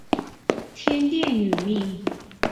天钿女命。